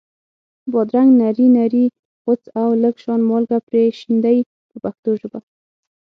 بادرنګ نري نري غوڅ او لږ شان مالګه پرې شیندئ په پښتو ژبه.